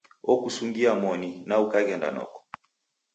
Okusungia moni, na ukaghenda noko.